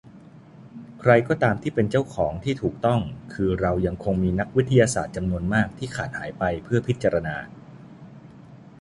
ใครก็ตามที่เป็นเจ้าของที่ถูกต้องคือเรายังคงมีนักวิทยาศาสตร์จำนวนมากที่ขาดหายไปเพื่อพิจารณา